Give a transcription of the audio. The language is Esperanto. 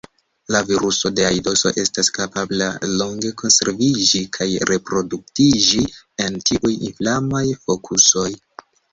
La viruso de aidoso estas kapabla longe konserviĝi kaj reproduktiĝi en tiuj inflamaj fokusoj.